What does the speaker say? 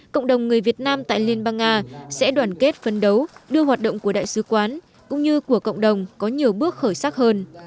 cộng đồng người việt nam tại liên bang nga sẽ đoàn kết phấn đấu đưa hoạt động của đại sứ quán cũng như của cộng đồng có nhiều bước khởi sắc hơn